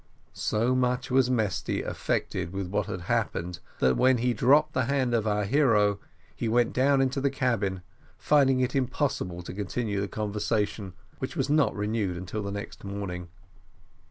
So much was Mesty affected with what had happened, that when he dropped the hand of our hero, he went down into the cabin, finding it impossible to continue the conversation, which was not renewed until the next morning.